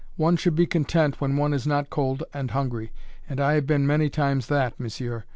One should be content when one is not cold and hungry, and I have been many times that, monsieur.